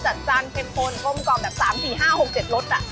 มันทำให้แต่ละคำที่กินเข้าไปมันมีรสชาติของเขาเป็นลาบหมดเลย